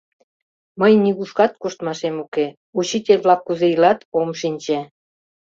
— Мый нигушкат коштмашем уке, учитель-влак кузе илат — ом шинче.